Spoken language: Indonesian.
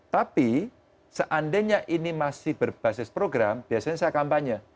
tapi seandainya ini masih berbasis program biasanya saya kampanye